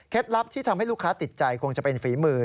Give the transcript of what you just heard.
ลับที่ทำให้ลูกค้าติดใจคงจะเป็นฝีมือ